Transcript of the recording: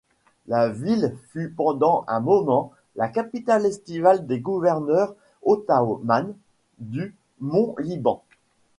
La ville fut pendant un moment la capitale estivale des gouverneurs Ottomans du Mont-Liban.